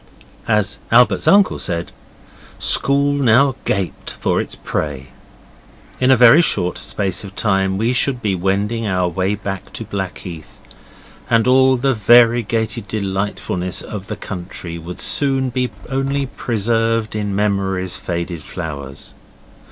As Albert's uncle said, 'School now gaped for its prey'. In a very short space of time we should be wending our way back to Blackheath, and all the variegated delightfulness of the country would soon be only preserved in memory's faded flowers.